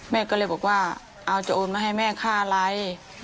แม่ก็เลยบอกว่าเอาจะโอนมาให้แม่ค่าอะไร